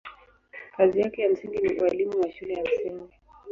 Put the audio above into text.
Kazi yake ya msingi ni ualimu wa shule ya msingi.